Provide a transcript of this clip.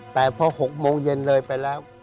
แต่พอ๖โมงเย็นเลยไปแล้ว